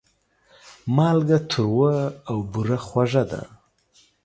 مالګه تروه او بوره خوږه ده.